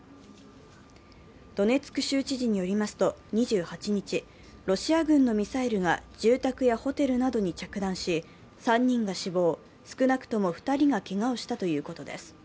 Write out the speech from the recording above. ドネツク州知事によりますと、２８日、ロシア軍のミサイルが住宅やホテルなどに着弾し、３人が死亡、少なくとも２人がけがをしたということです。